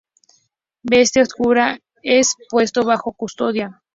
Bestia Oscura es puesto bajo custodia.